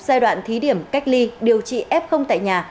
giai đoạn thí điểm cách ly điều trị f tại nhà